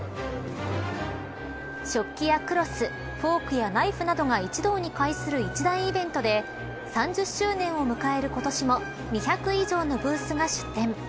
食器やクロスフォークやナイフなどが一堂に会する一大イベントで３０周年を迎える今年も２００以上のブースが出店。